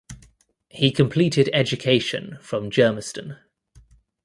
He completed education from Germiston.